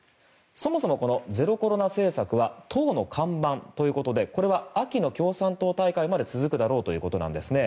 そもそもゼロコロナ政策は党の看板ということでこれは秋の共産党大会まで続くだろうということなんですね。